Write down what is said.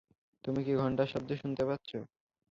তুমি কি ঘন্টার শব্দ শুনতে পাচ্ছো?